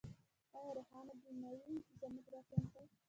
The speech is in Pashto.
آیا روښانه دې نه وي زموږ راتلونکی؟